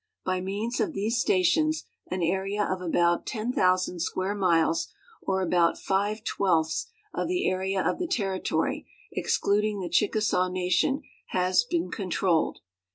By means of these stations an area of about 10,000 square miles, or aI)out five twelfths of the area of the Territory, excluding the Chicka saw nation, has been controlled.